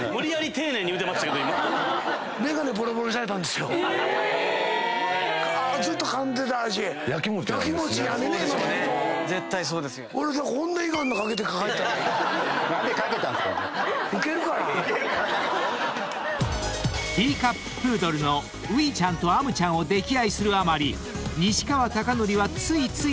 ［ティーカッププードルのうぃちゃんとあむちゃんを溺愛するあまり］